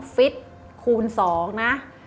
ฟิตคูณ๒นะ